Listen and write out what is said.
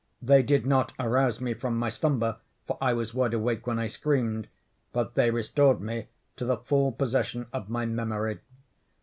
They did not arouse me from my slumber—for I was wide awake when I screamed—but they restored me to the full possession of my memory.